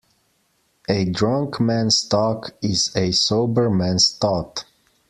A drunk man's talk is a sober man's thought.